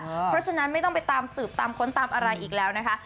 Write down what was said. เพราะฉะนั้นไม่ต้องไปตามสืบตามค้นตามอะไรอีกแล้วนะคะ